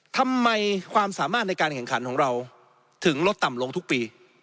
ความสามารถในการแข่งขันของเราถึงลดต่ำลงทุกปี